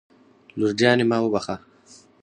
لور جانې ما وبښه